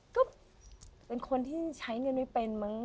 ก็เป็นคนที่ใช้เงินไม่เป็นมั้ง